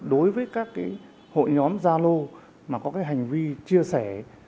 đối với các hội nhóm gia lô mà có hành vi chia sẻ